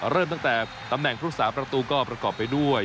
เริ่มตั้งแต่ตำแหน่งผู้สาประตูก็ประกอบไปด้วย